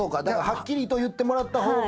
はっきりと言ってもらった方が。